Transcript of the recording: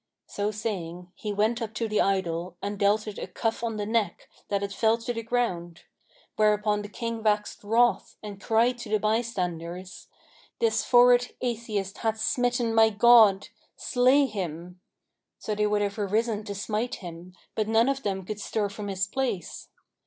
So saying, he went up to the idol and dealt it a cuff on the neck, that it fell to the ground; whereupon the King waxed wroth and cried to the bystanders, 'This froward atheist hath smitten my god. Slay him!' So they would have arisen to smite him, but none of them could stir from his place.